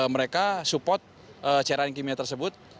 mereka support cairan kimia tersebut